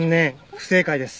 不正解です。